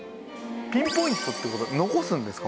ピンポイントっていう事は残すんですか？